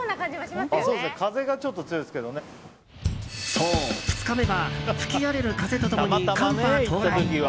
そう、２日目は吹き荒れる風と共に寒波到来。